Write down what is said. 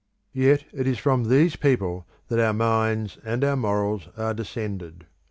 Yet it is from these people that our minds and our morals are descended.